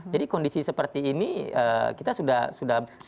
jadi kondisi seperti ini kita sudah siap